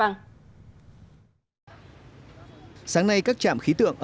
sáng nay các trạm khí tượng ở lào cai đều bị băng giá trên đỉnh phan xipang